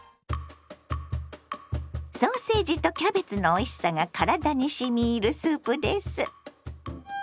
ソーセージとキャベツのおいしさが体にしみいるスープです。